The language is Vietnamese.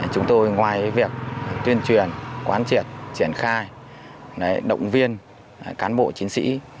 chúng tôi ngoài việc tuyên truyền quán triệt triển khai động viên cán bộ chiến sĩ